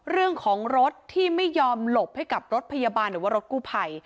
เรื่องของรถที่ไม่ยอมหลบให้กับรถพยาบาลหรือว่ารถกู้ภัย